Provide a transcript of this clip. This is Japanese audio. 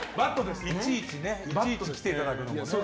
いちいち来ていただくのもね。